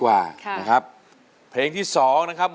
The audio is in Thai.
หารักสุสินครับ